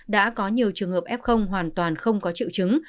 đã có nhiều trường hợp f hoàn toàn không có triệu chứng